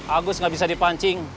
agus gak bisa dipancing